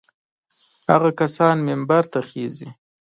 هغه کسان منبر ته خېژي.